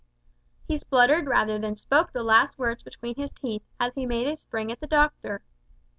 He spluttered rather than spoke the last words between his teeth, as he made a spring at the doctor.